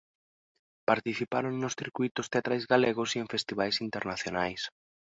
Participaron nos circuítos teatrais galegos e en festivais internacionais.